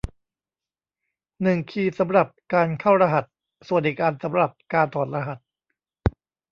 หนึ่งคีย์สำหรับการเข้ารหัสส่วนอีกอันสำหรับการถอดรหัส